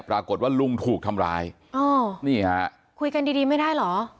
ปรากฏว่าลุงถูกทำร้ายอ๋อนี่ฮะคุยกันดีดีไม่ได้เหรอ